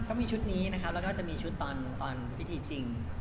ก็มีชุดนี้นะครับแล้วก็จะมีชุดตอนพิธีจริง